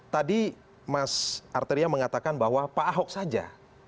tadi mas arteria mengatakan bahwa pak ahok saja